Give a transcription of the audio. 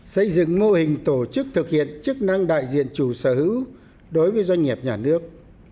xây dựng mô hình tổ chức thực hiện chức năng đại diện chủ sở hữu đối với doanh nghiệp nhà nước